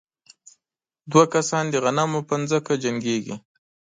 دوه کسان د غنمو په ځمکه جنګېږي.